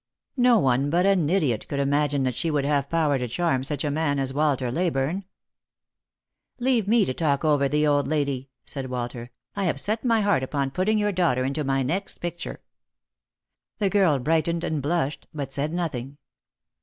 No one but an idiot could imagine that she would have power to charm such a man as Walter Leyburne. " Leave me to talk over the old lady," said Walter. " I have set my heart upon putting your daughter into my next picture." The girl brightened and blushed, but said nothing.